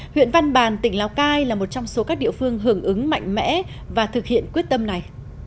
huyện văn bàn tỉnh lào cai là một trong số các địa phương hưởng ứng mạnh mẽ và thực hiện quyết tâm này